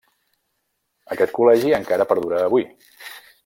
Aquest col·legi encara perdura avui.